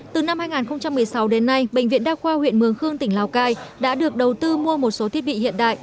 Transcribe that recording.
từ năm hai nghìn một mươi sáu đến nay bệnh viện đa khoa huyện mường khương tỉnh lào cai đã được đầu tư mua một số thiết bị hiện đại